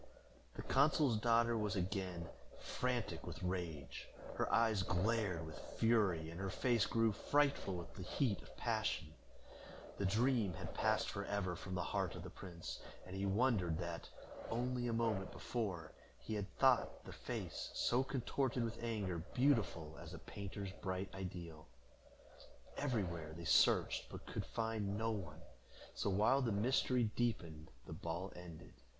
The consul's daughter was again frantic with rage; her eyes glared with fury, and her face grew frightful with the heat of passion. The dream had passed forever from the heart of the prince, and he wondered that, only a moment before, he had thought the face, so contorted with anger, beautiful as a painter's bright ideal. Everywhere they searched, but could find no one, so, while the mystery deepened, the ball ended.